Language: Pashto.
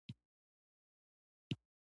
د ژانر او دوربندۍ مفاهیم پکې بحث کیږي.